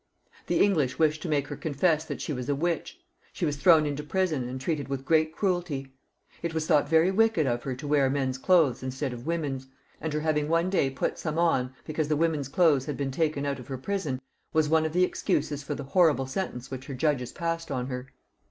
The English wished to make her confess that she was a witch ; she was thrown into prison, and treated with great cruelty. It was thought very wicked of her to XXX.] CHARLES VIL 207 / wear men's clothes instead of women's ; and her having one day put some on, because the women's clothes had been taken out of her prison, was one of the excuses for the horrible sentence which her judges passed on her.